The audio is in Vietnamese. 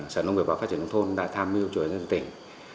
sở nông nghiệp và phát triển nông thôn đã tham mưu chủ yếu cho nhân dân tỉnh